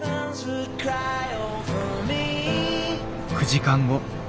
９時間後。